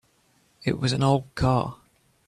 It was an old car.